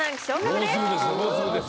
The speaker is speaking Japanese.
もうすぐですよ。